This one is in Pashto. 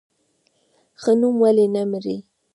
ښه نوم ولې نه مري؟